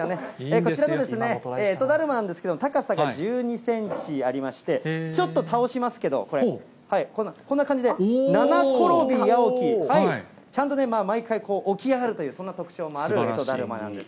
こちらのえとだるまなんですけれども、高さが１２センチありまして、ちょっと倒しますけど、これ、こんな感じで、七転び八起き、ちゃんとね、毎回起き上がる、そんな特徴もあるえとだるまなんです。